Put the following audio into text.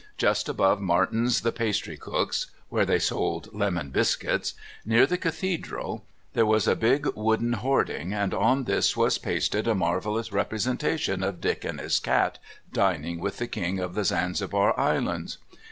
Just above Martin's the pastry cook's (where they sold lemon biscuits), near the Cathedral, there was a big wooden hoarding, and on to this was pasted a marvellous representation of Dick and his Cat dining with the King of the Zanzibar Islands.